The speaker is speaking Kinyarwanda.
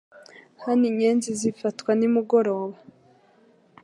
Hano inyenzi zifatwa nimugoroba;